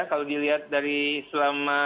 kalau dilihat dari selama